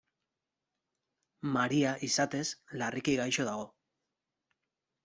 Maria, izatez, larriki gaixo dago.